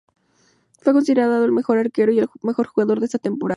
Fue considerado el mejor arquero y el mejor jugador de esa temporada.